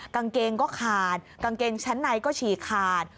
กางเกงก็ขาดกางเกงชั้นในก็ฉี่ขาด